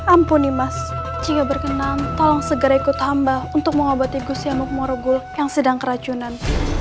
ampuni mas jika berkenan tolong segera ikut hamba untuk mengobati gus yanuk morogul yang sedang keracunan